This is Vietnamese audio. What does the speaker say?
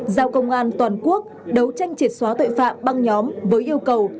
giao công an toàn quốc đấu tranh triệt xóa tội phạm băng nhóm với yêu cầu